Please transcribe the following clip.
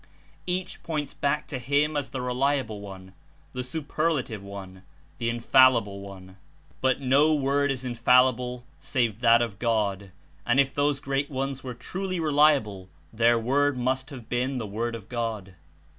Each points back to him as the reliable one, the superlative one, the infallible one. But no word is infallible save that of God, and i6 If those great ones were truly reliable, their word must have been the Word of God.